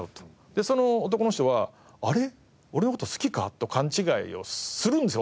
でその男の人は「あれ？俺の事好きか？」と勘違いをするんですよ